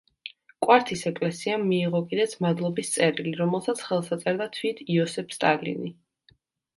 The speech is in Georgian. კვართის ეკლესიამ მიიღო კიდეც მადლობის წერილი, რომელსაც ხელს აწერდა თვით იოსებ სტალინი.